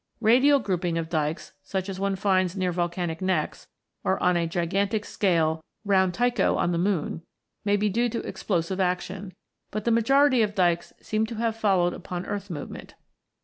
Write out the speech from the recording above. Radial grouping of dykes, such as one finds near volcanic necks, or, on a gigantic scale, round Tycho on the moon, may be due to explosive action; but the majority of dykes seem to have followed upon earth movement.